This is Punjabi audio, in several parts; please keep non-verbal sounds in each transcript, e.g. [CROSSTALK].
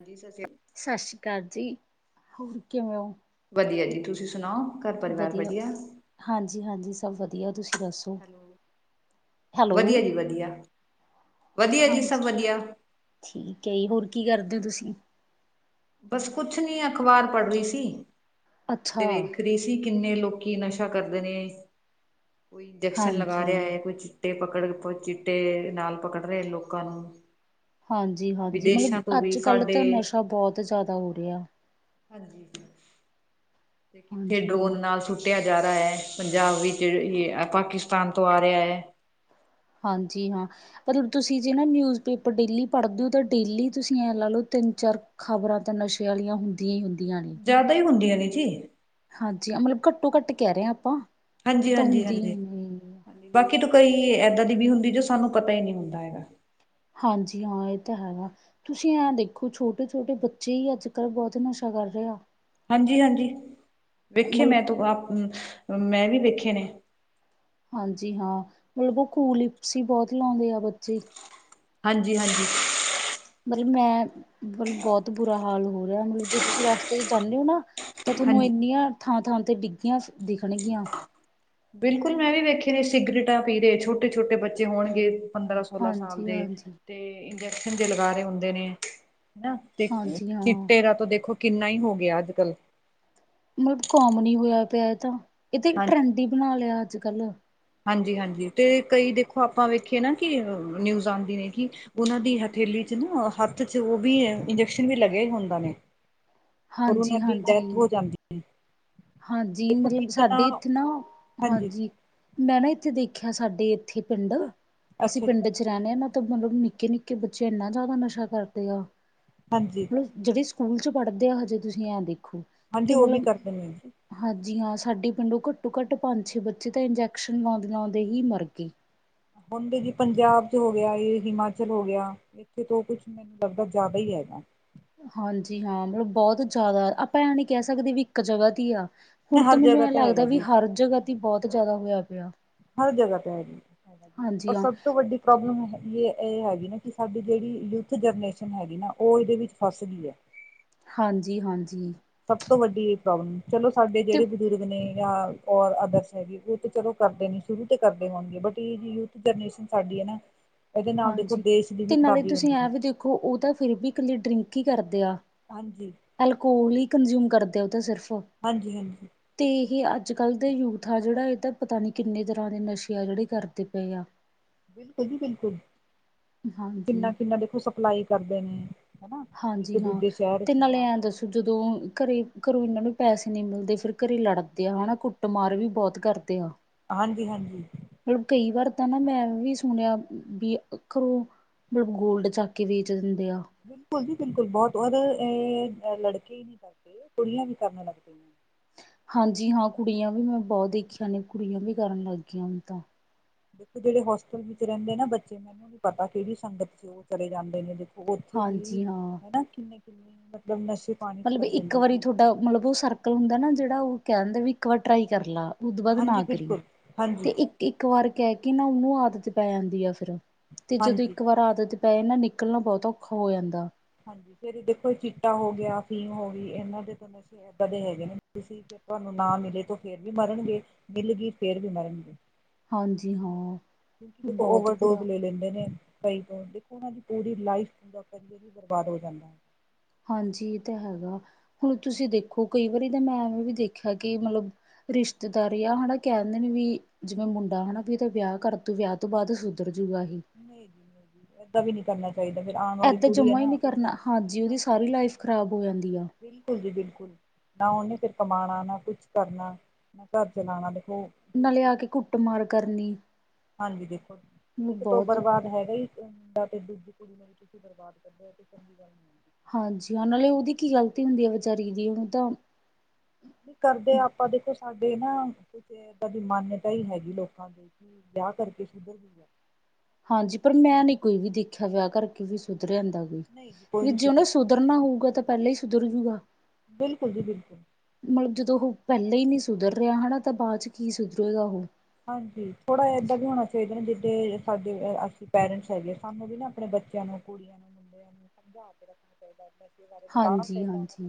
ਹਾਂਜੀ [UNINTELLIGIBLE] ਸਤਿ ਸ੍ਰੀ ਆਕਾਲ ਜੀ, ਹੋਰ ਕਿਵੇਂ ਹੋ? ਵਧੀਆ ਜੀ, ਤੁਸੀਂ ਸੁਣਾਓ ਘਰ ਪਰਿਵਾਰ ਵਧੀਆ? ਹਾਂਜੀ- ਹਾਂਜੀ ਸਭ ਵਧੀਆ, ਤੁਸੀਂ ਦੱਸੋ? ਹੈਲੋ, ਵਧੀਆ ਜੀ ਵਧੀਆ, ਵਧੀਆ ਜੀ ਹਾਂਜੀ ਸਭ ਵਧੀਆ। ਠੀਕ ਐ ਜੀ, ਹੋਰ ਕੀ ਕਰਦੇ ਤੁਸੀਂ? ਬਸ ਕੁਛ ਨੀ ਅਖ਼ਬਾਰ ਪੜ੍ਹ ਰਹੀ ਸੀ, ਤੇ ਅੱਛਾ, ਵੇਖ ਰਹੀ ਸੀ ਕੀ ਕਿੰਨੇ ਲੋਕੀ ਨਸ਼ਾ ਕਰਦੇ ਨੇ, ਇੰਜੈਕਸ਼ਨ ਲਗਾ ਰਿਹਾ ਹਾਂਜੀ। ਹੈ, ਕੋਈ ਚਿੱਟੇ ਪਕੜ ਕੇ ਚਿੱਟੇ ਨਾਲ ਪਕੜ ਰਹੇ ਲੋਕਾਂ ਨੂੰ ਹਾਂਜੀ-ਹਾਂਜੀ ਮਤਲਬ ਵਿਦੇਸ਼ਾਂ ਤੋਂ ਵੀ ਅੱਜ ਕੱਲ੍ਹ ਸਾਡੇ ਤਾਂ ਨਸ਼ਾ ਬਹੁਤ ਜ਼ਿਆਦਾ ਹੋ ਰਿਹਾ। ਹਾਂਜੀ, ਤੇ ਕਿੱਥੇ ਹਾਂਜੀ ਹਾਂ, ਡਰੋਨ ਨਾਲ ਸੁ ਸੁੱਟਿਆ ਜਾ ਰਿਹਾ ਹੈ, ਪੰਜਾਬ ਵਿੱਚ ਪਾਕਿਸਤਾਨ ਤੋਂ ਆ ਰਿਹਾ ਹੈ। ਹਾਂਜੀ ਹਾਂ। ਮਤਲਬ ਤੁਸੀਂ ਜੇ ਨਾ ਨਿਊਜ਼ਪੇਪਰ ਡੇਲੀ ਪੜ੍ਹਦੇ ਹੋ ਤਾਂ ਡੇਲੀ ਤੁਸੀਂ ਐਂ ਲਾ ਲਓ ਤਿੰਨ ਚਾਰ ਖ਼ਬਰਾਂ ਤਾਂ ਨਸ਼ੇ ਵਾਲੀਆਂ ਹੁੰਦੀਆਂ ਹੀ, ਹੁੰਦੀਆਂ ਨੇ ਜ਼ਿਆਦਾ ਹੀ, ਹੁੰਦੀਆਂ ਨੇ ਜੀ। ਹਾਂਜੀ, ਮਤਲਬ ਘੱਟੋ-ਘੱਟ ਕਹਿ ਰਹੇ ਹਾਂ ਆਪਾਂ। ਤਾਂ ਹਾਂਜੀ-ਹਾਂਜੀ, ਹੁੰਦੀ ਹੀ ਹਾਂਜੀ' ' ਨੇ [UNINTELLIGIBLE] ਬਾਕੀ ਤਾਂ ਕਈ ਇੱਦਾਂ ਦੀ ਵੀ ਹੁੰਦੀ। ਜੋ ਸਾਨੂੰ ਪਤਾ ਹੀ ਨਹੀਂ ਹੁੰਦਾ ਹੈਗਾ। ਹਾਂਜੀ ਹਾਂ, ਇਹ ਤਾਂ ਹੈਗਾ। ਤੁਸੀਂ ਐ ਦੇਖੋ ਛੋਟੇ-ਛੋਟੇ ਬੱਚੇ ਹੀ ਅੱਜ-ਕੱਲ੍ਹ ਬਹੁਤ ਨਸ਼ਾ ਕਰ ਰਹੇ ਆ। ਹਾਂਜੀ-ਹਾਂਜੀ [INAUDIBLE] ਵੇਖੇ ਮਤਲਬ ਮੈਂ ਤੂੰ ਆਪ ਮੈਂ ਵੀ ਵੇਖੇ ਨੇ ਹਾਂਜੀ ਹਾਂ, ਮਤਲਬ ਉਹ ਕੂਲਿਪਸ ਹੀ ਬਹੁਤ ਲਾਉਂਦੇ ਆ ਬੱਚੇ। ਹਾਂਜੀ-ਹਾਂਜੀ। ਮਤਲਬ ਮੈਂ, ਬਹੁਤ ਬੁਰਾ ਹਾਲ ਹੋ ਰਿਹਾ ਮਤਲਬ ਜੇ ਤੁਸੀਂ ਰਸਤੇ 'ਚ' ਜਾਂਣੇ ਓ ਨਾ ਤਾਂ ਤੁਹਾਨੂੰ ਹਾਂਜੀ ਇੰਨੀਆਂ ਥਾਂ-ਥਾਂ ਤੇ ਡਿੱਗੀਆਂ ਦਿਖਣਗੀਆਂ। [UNINTELLIGIBLE] ਬਿਲਕੁਲ ਮੈਂ ਵੀ ਵੇਖੇ ਨੇ ਸਿਗਰੇਟਾਂ ਪੀ ਰਹੇ, ਛੋਟੇ-ਛੋਟੇ ਬੱਚੇ ਹੋਣਗੇ। ਪੰਦਰਾਂ ਸੌ ਸੋਲਾਂ ਸਾਲ ਦੇ ਹਾਂਜੀ-ਹਾਂਜੀ। ਹਾਂਜੀ ਤੇ ਇੰਜੈਕਸ਼ਨ ਜੇ ਲਗਾ ਰਹੇ ਹੁੰਦੇ ਨੇ, ਹਨਾ। ਤੇ ਹਾਂਜੀ ਹਾਂ ਚਿੱਟੇ ਦਾ ਤਾਂ ਦੇਖੋ ਕਿੰਨਾ ਹੀ ਹੋ ਗਿਆ। ਅੱਜ-ਕੱਲ੍ਹ ਮਤਲਬ ਕੋਮਨ ਹੀ ਹੋਇਆ ਪਿਆ। ਇਹ ਤਾਂ ਇਹ ਤੇ ਇੱਕ ਟਰੈਂਡ ਹੀ ਬਣਾ ਲਿਆ। ਅੱਜ ਕੱਲ੍ਹ ਹਾਂਜੀ-ਹਾਂਜੀ ਤੇ ਕਈ ਦੇਖੋ ਆਪਾਂ ਵੇਖੇਏ ਨਾ ਕਿ ਨਿਊਜ਼ ਆਂਦੀ ਨੇ ਕਿ ਉਹਨਾਂ ਦੀ ਹਥੇਲੀ 'ਚ' ਨਾ ਹੱਥ 'ਚ' ਉਹ ਵੀ ਇੰਜੈਕਸ਼ਨ ਵੀ ਲੱਗੇ ਹੁੰਦਾ ਨੇ। ਔਰ ਉਹਨਾਂ ਦੀ ਹਾਂਜੀ-ਹਾਂਜੀ। ਡੈਥ ਹੋ ਜਾਂਦੀ ਹੈ ਹਾਂਜੀ, ਦੇਖੋ ਮਤਲਬ ਕਿਤਨਾ ਸਾਡੇ ਇੱਥੇ ਨਾ ਹਾਂਜੀ ਮੈਂ ਨਾ ਇੱਥੇ ਦੇਖਿਆ ਸਾਡੇ ਇੱਥੇ ਪਿੰਡ [INAUDIBLE] ਅਸੀਂ ਅੱਛਾ ਜੀ ਪਿੰਡ ਰਹਿੰਦੇ ਆ ਨਾ ਤਾਂ ਮਤਲਬ ਨਿੱਕੇ-ਨਿੱਕੇ ਬੱਚੇ ਇੰਨਾ ਜ਼ਿਆਦਾ ਨਸ਼ਾ ਕਰਦੇ ਆ ਹਾਂਜੀ। ਜਿਹੜੇ ਸਕੂਲ 'ਚ' ਪੜ੍ਹਦੇ ਆ ਹਜੇ ਤੁਸੀਂ ਐਂ ਦੇਖੋ ਹਾਂਜੀ ਤੇ [INAUDIBLE] ਉਹ ਵੀ ਮਤਲਬ ਕਰਦੇ ਨੇ ਜੀ ਹਾਂਜੀ ਹਾਂ, ਸਾਡੇ ਪਿੰਡੋ ਘੱਟੋ-ਘੱਟ ਪੰਜ-ਛੇ ਬੱਚੇ ਤਾਂ ਇੰਜੈਕਸ਼ਨ ਲਾਉਂਦੇ-ਲਾਉਂਦੇ ਹੀ ਮਰ ਗਏ। ਹੁਣਦੇ ਜੀ ਪੰਜਾਬ 'ਚ' ਹੋ ਗਿਆ। ਇਹ ਹਿਮਾਚਲ ਹੋ ਗਿਆ। ਇੱਥੇ ਤੋਂ ਕੁਛ ਮੈਨੂੰ ਲੱਗਦਾ ਜ਼ਿਆਦਾ ਈ ਹੈਗਾ। ਹਾਂਜੀ, ਹਾਂ ਮਤਲਬ ਬਹੁਤ ਜ਼ਿਆਦਾ ਆਪਾਂ ਐਂ ਨੀ ਕਹਿ ਸਕਦੇ ਵੀ ਇੱਕ ਜਗ੍ਹਾ ਤੇ ਈ ਆ। ਨਹੀਂ ਹੁਣ ਹਰ ਤਾਂ ਮੈਨੂੰ ਜਗ੍ਹਾ ਏਂ ਤੇ ਹੈਗਾ ਲੱਗਦਾ ਵੀ ਜੀ ਹਰ ਜਗ੍ਹਾ ਤੇ ਈ ਬਹੁਤ ਜਾਦਾ ਹੋਇਆ ਪਿਆ। ਹਰ ਜਗ੍ਹਾ ਤੇ ਹੈਗੀ ਹੈਗਾ ਜੀ ਹਾਂਜੀ ਔਰ ਹਾਂ ਸਭ ਤੋਂ ਵੱਡੀ ਪ੍ਰੋਬਲਮ ਹੈਗੀ ਇਹ ਹੈਗੀ ਨਾ ਕਿ ਸਾਡੀ ਜਿਹੜੀ ਯੂਥ ਜਨਰੇਸ਼ਨ ਹੈਗੀ ਨਾ ਉਹ ਏਦੇ ਵਿੱਚ ਫੱਸ ਗੀ ਏ। ਹਾਂਜੀ-ਹਾਂਜੀ। ਸਭ ਤੋਂ ਵੱਡੀ ਇਹ ਪ੍ਰੋਬਲਮ ਚਲੋ, ਸਾਡੇ ਤੇ ਜਿਹੜੇ ਬਜ਼ੁਰਗ ਨੇ ਜਾਂ ਔਰ ਅਦਰਸ ਹੈਗੇ, ਉਹ ਤੇ ਚਲੋ ਕਰਦੇ ਨੀ ਸ਼ੁਰੂ ਤੇ ਕਰਦੇ ਹੋਣਗੇ, ਬਟ ਇਹ ਜਿ ਯੂਥ ਜਨਰੇਸ਼ਨ ਸਾਡੀ ਏ ਨਾ। ਇਹਦੇ ਨਾਲ ਦੇਖੋ ਹਾਂਜੀ ਦੇਸ਼ ਦੀ ਤੇ ਵੀ ਨਾਲੇ ਖ਼ਰਾਬੀ ਤੁਸੀਂ ਹੁੰਦੀ ਐਂ ਹੈ ਵੀ ਦੇ ਖੋ ਉਹ ਤਾਂ ਫੇਰ ਵੀ ਕੱਲੀ ਡਰਿੰਕ ਈ ਕਰਦੇ ਆ। ਹਾਂਜੀ। ਐਲਕੋਲ ਈ ਕੰਜਿਊਮ ਕਰਦੇ ਆ ਉਹ ਤਾਂ ਸਿਰਫ ਹਾਂਜੀ-ਹਾਂਜੀ। ਤੇ ਇਹ ਅੱਜ-ਕੱਲ੍ਹ ਦੇ ਯੂਥ ਆ ਜਿਹੜਾ ਇਹ ਤਾਂ ਪਤਾ ਨੀ ਕਿੰਨੇ ਤਰ੍ਹਾਂ ਦੇ ਨਸ਼ੇ ਆ ਜਿਹੜੇ ਕਰਦੇ ਪਏ ਆ। ਬਿਲਕੁਲ ਜੀ ਬਿਲਕੁਲ ਹਾਂਜੀ ਕਿੰਨਾ-ਕਿੰਨਾ ਦੇਖੋ ਸਪਲਾਈ ਕਰਦੇ ਨੇ ਹਨਾ, ਹਾਂਜੀ ਹਾਂ ਇੱਕ-ਦੂਜੇ ਸ਼ਹਿਰ ਤੇ 'ਚ' ਨਾਲੇ ਜਾ ਐਂ ਕੇ। ਦੱਸੋ ਜਦੋਂ ਘਰੇ ਘਰੋਂ ਇਹਨਾਂ ਨੂੰ ਪੈਸੇ ਨੀ ਮਿਲਦੇ ਫਿਰ ਘਰੇ ਲੜਦੇ ਆ ਹਨਾ। ਕੁੱਟਮਾਰ ਵੀ ਬਹੁਤ ਕਰਦੇ। ਤੇ ਆ। ਹਾਂਜੀ-ਹਾਂਜੀ। ਮਤਲਬ ਕਈ ਵਾਰ ਤਾਂ ਨਾ ਮੈਂ ਵੀ ਸੁਣਿਆ ਵੀ। [UNINTELLIGIBLE] ਮਤਲਬ ਗੋਲਡ ਚੱਕ ਕੇ ਵੇਚ ਦਿੰਦੇ ਆ। ਬਿਲਕੁਲ ਜੀ ਬਿਲਕੁਲ ਬਹੁਤ ਉਦੇ ਇਹ ਲੜਕੇ ਈ ਨੀ ਕਰਦੇ, ਕੁੜੀਆਂ ਵੀ ਕਰਨ ਲੱਗ ਪਈਆ। ਹਾਂਜੀ ਹਾਂ, ਕੁੜੀਆਂ ਵੀ ਮੈਂ ਬਹੁਤ ਦੇਖੀਆਂ ਨੇ ਕੁੜੀਆਂ ਵੀ ਕਰਨ ਲੱਗ ਗਈਆਂ ਹੁਣ ਤਾਂ। ਦੇਖੋ ਜੇੜੇ ਹੋਸਟਲ ਵਿੱਚ ਰਹਿੰਦੇ ਨਾ ਬੱਚੇ ਮੈਨੂੰ ਨੀ ਪਤਾ ਕਿਹੜੀ ਸੰਗਤ ਚ ਉਹ ਚਲੇ ਜਾਂਦੇ ਨੇ ਜਥ ਉੱਥੇ ਵੀ ਹਾਂਜੀ ਹਾਂ ਹਨਾ ਕਿੰਨੇ-ਕਿੰਨੇ ਮਤਲਬ ਨਸ਼ੇ ਪਾਣੀ ਚ ਮਤਲਬ ਲੱਗ ਇੱਕ ਜਾਂਦੀ ਵਾਰੀ ਕੁੜੀਆਂ ਥੋਡਾ ਦੀ ਮਤਲਬ ਉਹ ਸਰਕਲ ਹੁੰਦਾ ਨਾ। ਜਿਹੜਾ ਉਹ ਕਹਿ ਦਿੰਦਾ ਵੀ ਇੱਕ ਵਾਰ ਟਰਾਈ ਕਰ ਲਾ। ਓਧੋਂ ਬਾਦ ਨਾ ਹਾਂਜੀ ਕਰੀ ਬਿਲਕੁਲ ਹਾਂਜੀ ਤੇ ਇੱਕ ਇੱਕ ਵਾਰ ਕਹਿ ਕੇ ਨਾ ਉਨੂੰ ਆਦਤ ਪੈ ਜਾਂਦੀ ਆ ਫਿਰ ਤੇ ਜਦੋਂ ਹਾਂਜੀ ਇੱਕ ਵਾਰ ਆਦਤ ਤੇ ਨਾ ਨਿਕਲਣਾ ਬਹੁਤ ਔਖਾ ਹੋ ਜਾਂਦਾ। ਹਾਂਜੀ ਫਿਰ ਦੇਖੋ ਚਿੱਟਾ ਹੋ ਗਿਆ, ਫੀਮ ਹੋ ਗਈ ਇਹਨਾਂ ਦੇ ਤਾਂ ਇੱਦਾਂ ਦੇ ਹੈਗੇ ਨੇ ਸੀ ਕਿ ਤੁਹਾਨੂੰ ਨਾ ਮਿਲੇ ਤੋ ਫੇਰ ਵੀ ਮਰਨਗੇ ਮਿਲ ਗਈ ਫੇਰ ਵੀ ਮਰਨਗੇ। ਹਾਂਜੀ, ਹਾਂ। ਕਿਓਕਿ ਦੇਖੋ ਬਹੁਤ ਓਵਰਡੋਜ਼ ਬੁਰਾ ਲੈ ਲੈਂਦੇ ਨੇ। ਕਈ ਤੋਂ ਦੇਖੋ ਉਹਨਾਂ ਦੀ ਪੂਰੀ ਲਾਈਫ [UNINTELLIGIBLE] ਵੀ ਬਰਬਾਦ ਹੋ ਜਾਂਦਾ ਏ। ਹਾਂਜੀ ਇਹ ਤਾਂ ਹੈਗਾ। ਹੁਣ ਤੁਸੀਂ ਦੇਖੋ ਕਈ ਵਾਰੀ ਤਾਂ ਮੈਂ ਐਵੇਂ ਵੀ ਦੇਖਿਆ ਕਿ ਮਤਲਬ ਰਿਸ਼ਤੇਦਾਰ ਆ ਹਨਾ ਕਹਿੰਦੇ ਨੇ ਵੀ ਜਿਵੇਂ ਮੁੰਡਾ ਹਨਾ ਵੀ ਇਹਦਾ ਵਿਆਹ ਕਰ ਤੂ ਵਿਆਹ ਤੋਂ ਬਾਅਦ ਸੁਧਰ ਜੂਗਾ ਇਹੇ। ਨਹੀਂ ਜੀ ਨਹੀਂ ਏਦਾਂ ਵੀ ਨੀ ਕਰਨਾ [UNINTELLIGIBLE] ਏਦਾਂ ਹੈ ਜਮਾ ਈ ਨਾ ਨੀ ਕਰਨਾ ਹਾਂਜੀ, ਉਹ ਦੀ ਸਾਰੀ ਲਾਈਫ ਖ਼ਰਾਬ ਹੋ ਜਾਂਦੀ ਆ। ਬਿਲਕੁਲ ਜੀ ਬਿਲਕੁਲ। ਨਾ ਉਨੇ ਫਿਰ ਕਮਾਣਾ, ਨਾ ਕੁਛ ਕਰਨਾ, ਨਾ ਘਰ ਚਲਾਣਾ, ਦੇਖੋ ਨਾਲੇ ਆ ਕੇ ਕੁੱਟ-ਮਾਰ ਕਰਨੀ। ਹਾਂਜੀ ਦੇਖੋ [UNINTELLIGIBLE] ਤੋਂ ਬਹੁਤ ਬਰਬਾਦ ਹੈਗਾ ਹੀ ਤੇ ਦੂਜੀ ਕੁੜੀ ਨੂੰ ਵੀ ਤੁਸੀਂ ਬਰਬਾਦ ਕਰਦੇ ਓ ਏ ਤਾਂ ਚੰਗੀ ਗੱਲ ਨਈ। ਹਾਂਜੀ ਹਾਂ ਨਾਲੇ ਉਦੀ ਕੀ ਗਲਤੀ ਹੁੰਦੀ ਹੈ। ਵਿਚਾਰੀ ਦੀ ਉਹ ਤਾਂ ਕਰਦੇ ਆਪਾਂ ਦੇਖੋ ਸਾਡੇ ਨਾ ਕੁਝ ਇਦਾਂ ਦੀ ਮੰਨਤਾਂ ਹੀ ਨੀ ਹੈਗੀ ਲੋਕਾਂ ਨੂੰ ਵਿਆਹ ਕਰਕੇ ਸੁਧਰ ਜਾਉਗਾ। ਹਾਂਜੀ, ਪਰ ਮੈਂ ਨੀ ਕੋਈ ਵੀ ਦੇਖਿਆ ਵਿਆਹ ਕਰਕੇ ਵੀ ਸੁਧਰ ਜਾਂਦਾ ਵਾ ਨਹੀਂ ਜੀ ਕੋਈ ਵੀ ਨੀ ਜੇ ਉਹਨੇ ਸੁਧਰਦਾ ਸੁਧਰਨਾ ਹੋਊਗਾ ਤਾਂ ਪਹਿਲਾਂ ਹੀ ਸੁਧਰ ਜੂਗਾ ਬਿਲਕੁਲ ਜੀ ਬਿਲਕੁਲ। ਮਤਲਬ ਜਦੋਂ ਉਹ ਪਹਿਲਾਂ ਹੀ ਨਹੀਂ ਸੁਧਰ ਰਿਹਾ ਨਾ ਤਾਂ ਬਾਅਦ 'ਚ' ਕੀ ਸੁਧਰੇਗਾ ਉਹੋ। ਹਾਂਜੀ, ਥੋੜ੍ਹਾ ਜਹਾ ਏਦਾਂ ਵੀ ਹੋਣਾ ਚਾਹੀਦਾ ਨੇ ਜਿੱਦਾਂ ਸਾਡੇ ਅਸੀਂ ਪੇਰੈਂਟਸ ਹੈਗੇ ਆ। ਸਾਨੂੰ ਵੀ ਨਾ ਆਪਣੇ ਬੱਚਿਆਂ ਨੂੰ ਕੁ [INAUDIBLE] [UNINTELLIGIBLE] [UNINTELLIGIBLE] ਜਾਣਾ ਹਾਂਜੀ ਪਵੇਗਾ। ਹਾਂਜੀ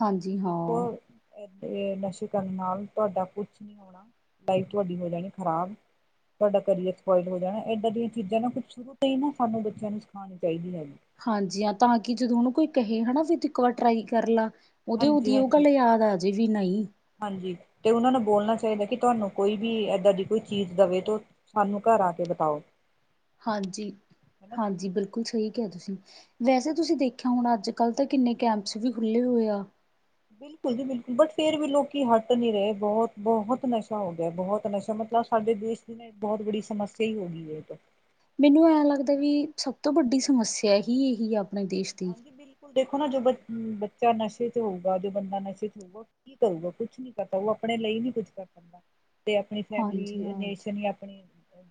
ਹਾਂਜੀ ਹਾਂ ਨਸ਼ੇ ਕਰਨ ਨਾਲ ਤੁਹਾਡਾ ਕੁਛ ਨਹੀਂ ਹੋਣਾ ਲਾਈਫ ਤੁਹਾਡੀ ਹੋ ਜਾਣੀ ਖ਼ਰਾਬ ਤੁਹਾਡਾ ਕਰੀਅਰ ਸਪੋਇਲ ਹੋ ਜਾਣਾ ਇੱਦਾਂ ਦੀਆਂ ਚੀਜ਼ਾਂ ਨਾ ਕੁਛ ਸ਼ੁਰੂ ਤੋਂ ਹੀ ਨਾ ਸਾਨੂੰ ਬੱਚਿਆਂ ਨੂੰ ਸਿਖਾਉਣੀ ਚਾਹੀਦੀ ਹੈਗੀ ਹਾਂਜੀ, ਹਾਂ ਤਾਂ ਕਿ ਜਦੋਂ ਉਹਨੂੰ ਕੋਈ ਕਹੇ ਹਨਾ ਵੀ ਤੂੰ ਇੱਕ ਵਾਰ ਟਰਾਈ ਕਰ ਲਾ ਉਹਦੇ ਹਾਂਜੀ ਉਹਦੀ ਉਹ ਹਾਂਜੀ ਗੱਲ ਯਾਦ ਆਜੇ ਵੀ ਨਹੀਂ। ਹਾਂਜੀ ਤੇ ਉਹਨਾਂ ਨੂੰ ਬੋਲਣਾ ਚਾਹੀਦਾ ਕਿ ਤੁਹਾਨੂੰ ਕੋਈ ਵੀ ਏਦਾਂ ਦੀ ਕੋਈ ਚੀਜ਼ ਦੇਵੇ ਤੋਂ ਸਾਨੂੰ ਘਰ ਆ ਕੇ ਬਿਤਾਓ। ਹਾਂਜੀ- ਹਾਂਜੀ, ਬਿਲਕੁਲ ਸਹੀ ਕਿਹਾ ਤੁਸੀਂ। ਵੈਸੇ ਤੁਸੀਂ ਦੇਖਿਆ ਅੱਜ- ਕੱਲ੍ਹ ਤਾਂ ਕਿੰਨੇ ਕੈਂਪਸ ਵੀ ਖੁੱਲ੍ਹੇ ਹੋਏ ਆ। ਬਿਲਕੁਲ ਜੀ ਬਿਲਕੁਲ, ਬਟ ਫੇਰ ਵੀ ਲੋਕੀ ਹੱਟ ਨੀ ਰਹੇ ਬਹੁਤ-ਬਹੁਤ ਨਸ਼ਾ ਹੋ ਗਿਆ ਬਹੁਤ ਨਸ਼ਾ ਮਤਲਬ ਸਾਡੇ ਦੇਸ਼ ਦੀ ਨਾ ਬਹੁਤ ਬੜੀ ਸਮੱਸਿਆ ਹੀ ਹੋ ਗਈ ਏ ਇਹ ਤਾਂ। ਮੈਨੂੰ ਐਂ ਲੱਗਦਾ ਵੀ ਸਭ ਤੋਂ ਵੱਡੀ ਸਮੱਸਿਆ ਹੀ ਇਹੀ ਆ। ਆਪਣੇ ਦੇਸ਼ ਦੀ ਹਾਂਜੀ ਬਿਲਕੁਲ ਦੇਖੋ ਨਾ, ਜੋ ਬ ਬੱਚਾ ਨਸ਼ੇ 'ਚ ਹੋਊਗਾ, ਜੋ ਬੰਦਾ ਨਸ਼ੇ ਚ ਹੋਊਗਾ। ਕੀ ਕਰੂਗਾ ਕੁਛ ਨੀ ਕਰਦਾ। ਉਹ ਆਪਣੇ ਲਈ ਨੀ ਕੁੱਝ ਕਰ ਸਕਦਾ। ਤੇ ਆਪਣੀ ਹਾਂਜੀ ਫੈਮਿਲੀ ਹਾਂ ਰਲੇਸਨ ਆਪਣੀ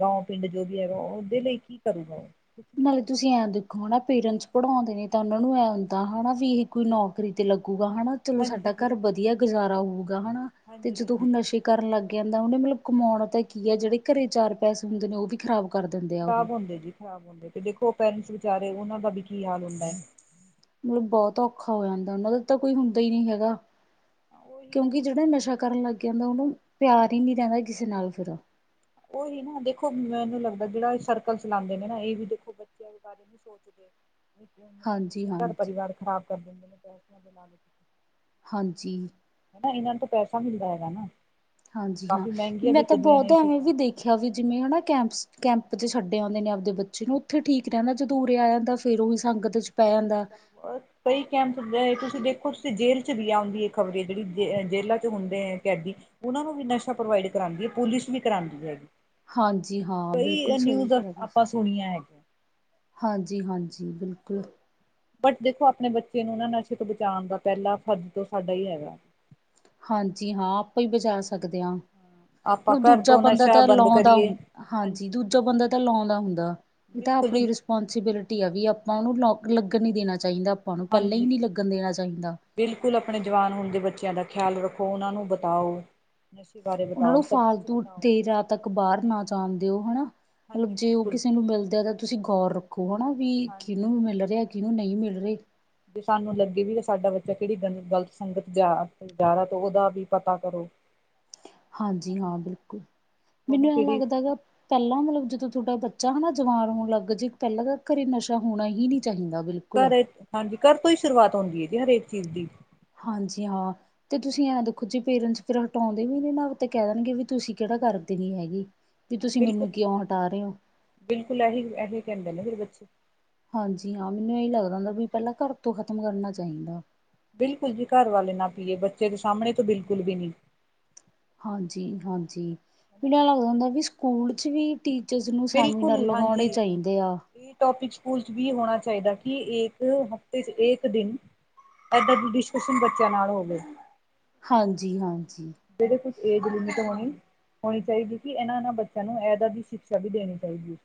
ਗਾ ਪਿੰਡ ਜੋ ਵੀ ਹੈਗਾ ਉਹਦੇ ਲਈ ਕੀ ਕਰੂਗਾ ਉਹ। ਵੀ ਨਹੀਂ ਨਾਲੇ ਕਰ ਤੁਸੀ ਸਕਦਾ ਐ ਦੇਖੋ, ਹਨਾ ਪੇਰੈਟਸ ਪੜ੍ਹਾਉਦੇ ਨੇ ਤਾਂ ਉਹਨਾਂ ਨੂੰ ਇਹ ਹੁੰਦਾ ਹਨਾ ਵੀ ਇਹੇ ਕੋਈ ਨੌਕਰੀ ਤੇ ਲੱਗੇੂਗਾ ਹਨਾ। ਚਲੋ ਸਾਡਾ ਹਾਂਜੀ ਘਰ ਬਿਲਕੁਲ ਵਧੀਆ ਗੁਜ਼ਾਰਾ ਹੋਊਗਾ ਹਨਾ ਤੇ ਹਾਂਜੀ ਜਦੋਂ ਹਾਂਜੀ ਹੁਣ ਨਸ਼ੇ ਕਰਨ ਲੱਗ ਜਾਂਦਾ। ਉਹਨੇ ਮਤਲਬ ਕਮੋਣਾ ਤਾਂ ਕੀ ਆ ਜਿਹੜੇ ਘਰੇ ਚਾਰ ਪੈਸੇ ਹੁੰਦੇ ਨੇ ਉਹ ਵੀ ਖਰਾਬ ਖ਼ਰਾਬ ਹੁੰਦੇ ਜੀ ਖ਼ਰਾਬ ਹੁੰਦੇ ਜੀ ਤੇ ਦੇਖੋ ਪੇਰੈਂਟਸ ਵਿਚਾਰੇ ਉਹਨਾਂ ਦਾ ਵੀ ਕੀ ਹਾਲ ਹੁੰਦਾ ਏ। ਮਤਲਬ ਬਹੁਤ ਔਖਾ ਹੋ ਜਾਂਦਾ, ਉਹਨਾਂ ਦਾ ਤਾਂ ਕੋਈ ਹੁੰਦਾ ਹੀ ਨਹੀਂ ਹੈਗਾ। ਉਹੀ ਨਾ ਕਿਉਕਿ ਜੀ ਜਿਹੜਾ ਨਸ਼ਾ ਕਰਨ ਲੱਗ ਜਾਂਦਾ। ਉਹਨੂੰ ਪਿਆਰ ਹੀ ਨਹੀਂ ਰਹਿੰਦਾ ਕਿਸੇ ਨਾਲ ਫਿਰ। ਉਹੀ ਨਾ ਦੇਖੋ, ਮੈਨੂੰ ਲੱਗਦਾ ਜਿਹੜਾ ਸਰਕਲ ਚਲਾਦੇ ਨੇ ਨਾ ਇਹ ਵੀ ਦੇਖੋ ਬੱਚਿਆਂ ਨੀ ਸੋਚਦੇ। ਹਾਂਜੀ ਘਰ ਹਾਂਜੀ ਪਰਿਵਾਰ ਖਰਾਬ ਦਿੰਦੇ ਨੇ। ਹਾਂਜੀ। ਹਨਾ ਇਹਨਾਂ ਨੂੰ ਤੋਂ ਪੈਸਾ ਮਿਲਦਾ ਹੈਗਾ ਨਾ। ਹਾਂਜੀ ਹਾਂ। ਕਾਫ਼ੀ ਮਹਿੰਗੀਆਂ ਮੈਂ ਤਾਂ ਵਿਕਦੀਆਂ ਨੇ ਬਹੁਤ ਇਹ ਐਵੇਂ ਚੀਜ਼ਾਂ ਵੀ ਦੇਖ ਆਖਿਆ ਵੀ ਜਿਵੇਂ ਹਨਾ ਕੈਂਪਸ ਕੈਂਪ ਛੱਡ ਆਉਦੇ ਨੇ ਆਪਦੇ ਬੱਚੇ ਨੂੰ ਉੱਥੇ ਠੀਕ ਰਹਿੰਦਾ। ਜਦੋ ਓਰੇ ਆ ਜਾਂਦਾ ਫਿਰ ਉਹੀ ਸੰਗਤ 'ਚ ਪੈ ਫਿਰ ਉਹੀ ਜਾਂਦਾ। ਕੰਮ। ਕਈ ਕੈਂਪਸ ਹੁੰਦੇ ਆ ਤੁਸੀਂ ਦੇਖੋ ਤੁਸੀਂ ਜੇਲ੍ਹ 'ਚ' ਵੀ ਆਉਦੀ ਇਹ ਖ਼ਬਰੇ ਜਿਹੜੀ ਜੇ ਜੇਲਾਂ 'ਚ' ਹੁੰਦੇ ਆ ਕੈਦੀ। ਉਹਨਾਂ ਨੂੰ ਵੀ ਨਸ਼ਾ ਪ੍ਰਵਾਇਡ ਕਰਵਾਦੀ ਆ ਪੁਲਿਸ ਵੀ ਕਰਾਦੀ ਹੈਗੀ। ਹਾਂਜੀ ਹਾਂ। ਬਿਲਕੁਲ ਕਈ ਸਹੀ ਨਿਊਜ਼ ਗੱਲ ਕਿਹਾ ਜੀ। ਆਪਾਂ ਸੁਣੀਆਂ ਐ। ਹਾਂਜੀ-ਹਾਂਜੀ ਬਿਲਕੁਲ। ਬਟ ਦੇਖੋ ਆਪਣੇ ਬੱਚੇ ਨੂੰ ਨਾ ਨਸ਼ੇ ਤੋਂ ਬਚਾਣ ਦਾ ਪਹਿਲਾ ਫਰਜ਼ ਤਾਂ ਸਾਡਾ ਹੀ ਹੈਗਾ। ਹਾਂਜੀ ਹਾਂ। ਆਪਾਂ ਈ ਬਚਾ ਸਕਦੇ ਆ। ਆਪਾਂ ਮਤਲਬ ਘਰ ਦੂਜਾ ਤੋਂ ਬੰਦਾ ਨਸ਼ਾ ਤਾਂ ਬੰਦ ਲੋਦਾ, ਕਰੀਏ ਹਾਂਜੀ ਦੂਜਾ ਬੰਦਾ ਤਾਂ ਲਾਉਦਾ ਹੁੰਦਾ। ਇਹ ਤਾਂ ਬਿਲਕੁਲ ਆਪਣੀ ਜੀ ਪੋਸੀਬਿਲਿਟੀ ਆ ਵੀ ਆਪਾਂ ਉਹਨੂੰ ਲ ਲੱਗਣ ਹੀ ਦੇਣਾ ਚਾਹੀਦਾ ਆਪਾਂ ਨੂੰ। ਪਹਿਲਾਂ ਹੀ ਹਾਂਜੀ ਨੀ ਲੱਗਣ ਦੇਣਾ ਚਾਹੀਦਾ। ਬਿਲਕੁਲ ਆਪਣੇ ਜਵਾਨ ਹੋਣ ਦੇ ਬੱਚਿਆਂ ਦਾ ਖਿਆਲ ਰੱਖੋ। ਉਹਨਾਂ ਨੂੰ ਬਤਾਓ ਨਸ਼ੇ ਬਾਰੇ। ਉਹਨਾਂ ਬਤਾਓ ਨੂੰ ਸਭ ਕੁਛ ਫਾਲਤੂ ਬਤਾਓ ਦੇਰ ਰਾਤ ਤੱਕ ਬਾਹਰ ਨਾ ਜਾਣ ਦਿਓ ਹਨਾ। ਮਤਲਬ ਹਾਂਜੀ ਜੇ ਉਹ ਬਿਲਕੁਲ ਕਿਸੇ ਨੂੰ ਮਿਲਦਾ ਤਾਂ ਤੁਸੀਂ ਗੌਰ ਰੱਖੋ ਹਨਾ ਵੀ ਕਿਹਨੂੰ ਹਾਂਜੀ ਵੀ ਮਿਲ ਰਿਹਾ। ਕਿਹਨੂੰ ਨਹੀਂ ਮਿਲ ਰਹੇ। ਜੇ ਸਾਨੂੰ ਲੱਗੇ ਸਾਡਾ ਬੱਚਾ ਕਿਹੜੀ ਗਲਤ ਸੰਗਤ ਜਾ ਰਿਹਾ ਤਾਂ ਉਹਦਾ ਵੀ ਪਤਾ ਕਰੋ। ਹਾਂਜੀ ਹਨਾ ਹਾਂ ਬਿਲਕੁਲ। ਉਹਨੂੰ ਮੈਨੂੰ ਐ ਕਿਹੜੀ ਲੱਗਦਾ ਗਾ। ਪਹਿਲਾਂ ਮਤਲਬ ਜਦੋ ਤੁਹਾਡਾ ਬੱਚਾ ਹਨਾ ਜਵਾਨ ਹੋਣ ਲੱਗ ਜੇ ਪਹਿਲਾਂ ਤਾਂ ਘਰੇ ਨਸ਼ਾ ਹੋਣਾ ਹੀ ਨੀ ਚਾਹੀਦਾ ਬਿਲਕੁਲ। ਘਰੇ ਹਾਂਜੀ ਘਰ ਤੋਂ ਹੀ ਸ਼ੁਰੂਆਤ ਹੁੰਦੀ ਏ ਜੀ ਹਰੇਕ ਚੀਜ਼ ਦੀ। ਹਾਂਜੀ ਹਾਂ। ਤੇ ਤੁਸੀ ਐਂ ਦੇਖੋ ਜੇ ਪੇਰੈਂਟਸ ਫਿਰ ਹਟਾਉਦੇ ਵੀ ਨਾ ਤਾਂ ਕਹਿ ਦੇਣਗੇ ਵੀ ਤੁਸੀ ਕਿਹੜਾ ਕਰਦੇ ਨੀ ਹੈਗੇ। ਵੀ ਤੁਸੀ ਬਿਲਕੁਲ ਮੈਨੂੰ ਕਿਉ ਹਟਾ ਰਹੇ ਹੋ। ਬਿਲਕੁਲ ਇਹੀ-ਇਹੀ ਕਹਿੰਦੇ ਨੇ ਫਿਰ ਬੱਚੇ। ਹਾਂਜੀ ਹਾਂ। ਮੈਨੂੰ ਇਹੀ ਲੱਗਦਾ ਹੁੰਦਾ ਵੀ ਪਹਿਲਾਂ ਘਰ ਤੋਂ ਖ਼ਤਮ ਕਰਨਾ ਚਾਹੀਦਾ। ਬਿਲਕੁਲ ਜੀ ਘਰ ਵਾਲੇ ਨਾ ਪੀਏ। ਬੱਚੇ ਦੇ ਸਾਹਮਣੇ ਤਾਂ ਬਿਲਕੁਲ ਵੀ ਨਹੀ। ਹਾਂਜੀ-ਹਾਂਜੀ। ਮੈਨੂੰ ਐਹ ਲੱਗਦਾ ਹੁੰਦਾ ਵੀ ਸਕੂਲ ਚ ਵੀ ਟੀਚਰਸ ਨੂੰ ਸੈਮੀਨਰ ਬਿਲਕੁਲ ਹਾਂਜੀ ਲਗਾਉਣੇ ਚਾਹੀਦੇ ਆ। ਇਹ ਟੋਪਿਕ ਸਕੂਲ ਚ ਵੀ ਹੋਣਾ ਚਾਹੀਦਾ ਕਿ ਇੱਕ ਹਫ਼ਤੇ ਚ ਇੱਕ ਦਿਨ ਇਦਾਂ ਦੀ ਡਿਸਕਸ਼ਨ ਬੱਚਿਆਂ ਨਾਲ ਹੋਵੇ। ਹਾਂਜੀ-ਹਾਂਜੀ। ਜਿਹੜੇ ਕੁਛ ਏਜ ਲਮਿਟ ਹੋਣੀ। ਹੋਣੀ ਚਾਹੀਦੀ ਕਿ ਇਹਨਾਂ-ਇਹਨਾਂ ਬੱਚਿਆਂ ਨੂੰ ਇਦਾਂ ਦੀ ਛਿਕਸ਼ਾ ਵੀ ਦੇਣੀ ਚਾਹੀਦੀ।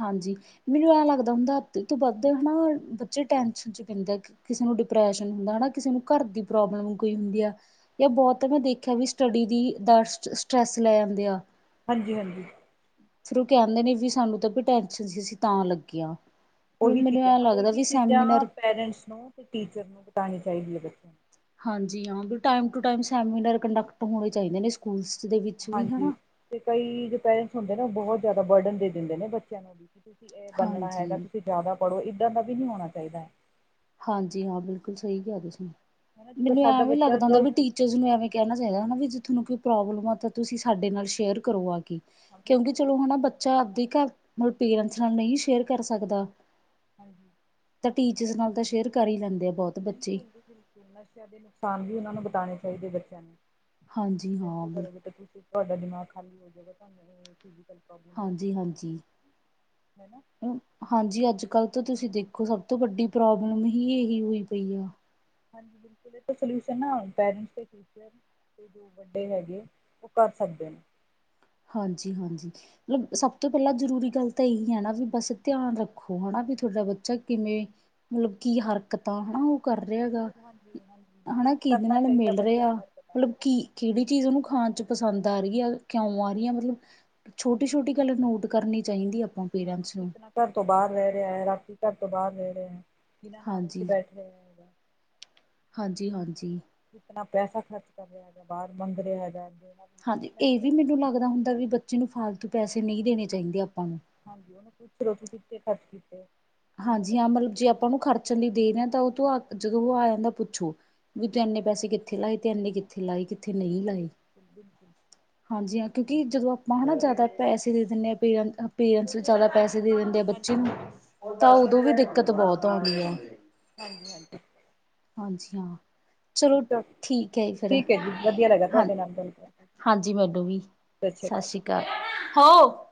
ਹਾਂਜੀ, ਮੈਨੂੰ ਐਂ ਲੱਗਦਾ ਹੁੰਦਾ ਅੱਧੇ ਤੋਂ ਵੱਧ ਹਨਾ ਬੱਚੇ ਟੈਸ਼ਨ ਚ ਪੈਦੇ। ਕਿਸੇ ਨੂੰ ਡਿਪ੍ਰੈਸ਼ਨ ਹੁੰਦਾ ਹਨਾ। ਕਿਸੇ ਨੂੰ ਘਰ ਦੀ ਪ੍ਰੋਬਲਮ ਕੋਈ ਹੁੰਦੀ ਆ। ਜਾਂ ਬਹੁਤ ਮੈਂ ਦੇਖਿਆ ਵੀ ਸਟੱਡੀ ਦੀ ਦਰ ਸਟ ਸਟਰੈਸ ਲੈ ਜਾਂਦੇ ਆ। ਹਾਂਜੀ-ਹਾਂਜੀ। ਫਿਰ ਉਹ ਕਹਿੰਦੇ ਨੇ ਵੀ ਸਾਨੂੰ ਤਾਂ ਵੀ ਟੈਸ਼ਨ ਸੀ ਤਾਂ ਲੱਗੀਆਂ। ਉਹੀ ਚੀਜ਼ਾਂ ਨਾ ਉਹੀ ਚੀਜ਼ਾਂ ਪੇਰੈਂਟਸ ਨੂੰ ਤੇ ਟੀਚਰ ਨੂੰ ਬਤਾਣੀ ਚਾਹੀਦੀ ਏ। ਹਾਂਜੀ ਹਾਂ, ਵੀ time to time seminar conduct ਹੋਣੇ ਚਾਹੀਦੇ ਨੇ ਸਕੂਲਸ ਦੇ ਵਿੱਚ ਵੀ ਹਾਂਜੀ ਹਨਾ। ਤੇ ਕਈ ਜੋ ਪੇਰੈਂਟਸ ਹੁੰਦੇ ਨੇ, ਉਹ ਬਹੁਤ ਜ਼ਿਆਦਾ ਬਰਡਨ ਦੇ ਦਿੰਦੇ ਨੇ ਬੱਚਿਆਂ ਨੂੰ ਵੀ ਕਿ ਤੁਸੀ ਇਹ ਬਣਨਾ ਹੈਗਾ ਹਾਂਜੀ। ਤੁਸੀ ਜ਼ਿਆਦਾ ਪੜ੍ਹੋ ਇੱਧਰ ਦਾ ਵੀ ਨਹੀਂ ਹੋਣਾ ਚਾਹੀਦਾ। ਹਾਂਜੀ ਹਾਂ ਬਿਲਕੁਲ ਸਹੀ ਕਿਹਾ ਤੁਸੀ। ਹਨਾ ਜਿੱਦਾਂ ਮੈਨੂੰ ਸਾਡਾ ਐਹ ਵੀ ਬੱਚਾ ਲੱਗਦਾ ਹੁੰਦਾ ਵੀ ਗ਼ਲਤ ਟੀਚਰਸ ਨੂੰ ਐਵੇਂ ਕਹਿਣਾ ਚਾਹੀਦਾ ਹਨਾ ਵੀ ਜੇ ਤੁਹਾਨੂੰ ਕੋਈ ਪ੍ਰੋਬਲਮ ਆ ਤਾਂ ਤੁਸੀ ਸਾਡੇ ਨਾਲ ਸ਼ੇਅਰ ਕਰੋ ਆ ਕੇ। ਹਾਂ ਕਿਉਕਿ ਬਿਲਕੁਲ ਚਲੋ ਬਿਲਕੁਲ ਹਨਾ ਬੱਚਾ ਆਪਦੀ ਘਰ ਮਤਲਬ ਪੇਰੈਂਟਸ ਨਾਲ ਨਹੀਂ ਸ਼ੇਅਰ ਕਰ ਸਕਦਾ। ਹਾਂਜੀ। ਤਾਂ ਟੀਚਰਸ ਨਾਲ ਤਾਂ ਸ਼ੇਅਰ ਕਰ ਹੀ ਲੈਂਦੇ ਆ ਬਹੁਤ। ਬੱਚੇ। ਬਿਲਕੁਲ ਜੀ ਬਿਲਕੁਲ ਨਸ਼ਿਆਂ ਦੇ ਨੁਕਸਾਨ ਵੀ ਉਨ੍ਹਾਂ ਨੂੰ ਬਿਤਾਣੇ ਚਾਹੀਦੇ ਬੱਚਿਆਂ ਨੂੰ। ਹਾਂਜੀ ਤੁਸੀਂ ਹਾ ਬਿਲਕੁਲ। [INAUDIBLE] ਤੁਹਾਡਾ ਦਿਮਾਗ ਖਾਲੀ ਹੋ ਜਾਵੇਗਾ ਤੁਹਾਨੂੰ ਫਿਜ਼ੀਕਲ ਪ੍ਰੋਬਲਮ ਹੋ ਜਾਵੇਗੀ ਹਾਂਜੀ-ਹਾਂਜੀ। ਹਨਾ ਹਾਂਜੀ ਅੱਜ-ਕੱਲ੍ਹ ਤਾਂ ਤੁਸੀਂ ਦੇਖੋ ਸਭ ਤੋਂ ਵੱਡੀ ਪ੍ਰੋਬਲਮ ਹੀ ਇਹੀ ਹੋਈ ਪਈ ਆ। ਹਾਂਜੀ ਬਿਲਕੁਲ ਇਹ ਸੋਲਿਊ ਨਾ ਪੈਰਟਸ ਜੋ ਵੱਡੇ ਹੈਗੇ। ਉਹ ਕਰ ਸਕਦੇ ਨੇ। ਹਾਂਜੀ-ਹਾਂਜੀ। ਮਤਲਬ ਸਭ ਤੋਂ ਪਹਿਲਾਂ ਜਰੂਰੀ ਗੱਲ ਤਾਂ ਇਹੀ ਏ ਨਾ ਵੀ ਬਸ ਧਿਆਨ ਰੱਖੋ ਹਨਾ ਵੀ ਬੱਚਾ ਕਿਵੇਂ ਮਤਲਬ ਕੀ ਹਰ- ਕਤਾਂ ਹਨਾ ਉਹ ਕਰ ਰਿਹਾਗਾ ਬਿਲਕੁਲ ਹਾਂਜੀ ਹਾਂਜੀ ਹਨਾ, ਨੋਟਿਸ ਕਿਦੇ ਕਰਨਾ ਨਾਲ ਚਾਹੀਦਾ ਮਿਲ ਬੱਚਿਆਂ ਰਿਹਾ। ਦੀ ਹਰਕਤਾਂ ਮਤਲਬ ਨੂੰ ਕੀ ਕਿਹੜੀ ਚੀਜ਼ ਉਹਨੂੰ ਖਾਣ 'ਚ ਪਸੰਦ ਆ ਰਹੀ ਆ। ਕਿਉ ਆ- ਰਹੀ ਆ ਮਤਲਬ ਛੋਟੀ-ਛੋਟੀ ਗੱਲ ਨੋਟ ਕਰਨੀ ਚਾਹੀਦੀ ਆਪਾਂ ਹਾਂ ਪੇਰੈਂਟਸ ਨੂੰ। ਕਿਤਨਾ ਘਰ ਤੋਂ ਬਾਹਰ ਰਹਿ ਰਿਹਾ ਏ, ਰਾਤੀ ਘਰ ਤੋਂ ਬਾਹਰ ਰਹਿ ਰਿਹਾ ਏ। ਕਿਨੇ ਨਾਲ ਉਥ ਹਾਂਜੀ। ਬੈਠ ਰਿਹਾ ਹੈਗਾ। ਹਾਂਜੀ-ਹਾਂਜੀ। ਕਿਤਨਾ ਪੈਸਾ ਖਰਚ ਕਰ ਰਿਹਾ ਹੈਗਾ ਬਾਹਰ ਮੰਗ ਰਿਹਾ ਹੈਗਾ ਦੇਣਾ। ਪੁੱਛ ਹਾਂਜੀ, ਲੈਣਾ ਇਹ ਵੀ ਚਾਹੀਦਾ ਹੈ ਮੈਨੂੰ ਲੱਗਦਾ ਹੁੰਦਾ ਵੀ ਬੱਚੇ ਨੂੰ ਫਾਲਤੂ ਪੈਸੇ ਨਹੀਂ ਦੇਣੇ ਚਾਹੀਦੇ ਆਪਾਂ ਨੂੰ। ਹਾਂਜੀ, ਉਹਨੂੰ ਪੁੱਛ ਲਵੋ ਤੂੰ ਕਿੱਥੇ ਖਰਚ ਕੀਤੇ। ਕਿੰਨੇ ਹਾਂਜੀ ਹਾਂ, ਬੱਚੇ ਮਤਲਬ ਦੇ ਜੇ ਆਪਾਂ ਉਹਨੂੰ ਖਰਚਣ ਲਈ ਦੇ ਰਹੇ ਹਾਂ ਤਾਂ ਉਹ ਤੂੰ ਜਦੋਂ ਉਹ ਆ ਜਾਂਦਾ ਪੁੱਛੋ। ਵੀ ਤੂੰ ਇੰਨੇ ਹਾਂਜੀ ਪੈਸੇ ਕਿੱਥੇ ਲਾਏ ਤੇ ਇੰਨੇ ਕਿੱਥੇ ਲਾਏ ਕਿੱਥੇ ਨਹੀਂ ਬਿਲਕੁਲ ਜੀ ਲਾਏ [INAUDIBLE] ਬਿਲਕੁਲ ਬਿਲਕੁਲ ਹਾਂਜੀ ਹਾਂ, ਕਿਉਂਕਿ ਜਦੋਂ ਆਪਾਂ ਹਨਾ ਜ਼ਿਆਦਾ ਪੈਸੇ ਦੇ ਦਿੰਦੇ ਹਾਂ ਪਰਟ ਪੇਰੈਂਟਸ ਜ਼ਿਆਦਾ ਪੈਸੇ ਦੇ ਦਿੰਦੇ ਬੱਚੇ ਹਾਂਜੀ ਨੂੰ [INAUDIBLE] ਤਾਂ ਉਦੋਂ ਵੀ ਦਿੱਕਤ ਬਹੁਤ ਆਉਂਦੀ ਆ। ਹਾਂਜੀ-ਹਾਂਜੀ। ਹਾਂਜੀ ਹਾਂ। ਚਲੋ ਠੀਕ ਹੈ ਜੀ ਫਿਰ ਠੀਕ ਹੈ ਜੀ, ਵਧੀਆ ਲੱਗਾ ਹਾਂ ਤੁਹਾਡੇ ਨਾਲ ਗੱਲ ਕਰ [INAUDIBLE] ਅੱਛਾ ਸਸ਼੍ਰੀ ਕਾਲ, ਹੋ।